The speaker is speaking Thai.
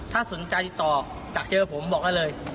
ถ้าสนใจต่อจากเจอผมบอกได้เลย